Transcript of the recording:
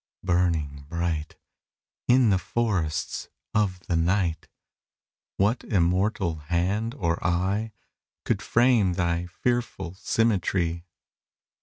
burning bright, In the forests of the night, What immortal hand or eye Could frame thy fearful symmetry?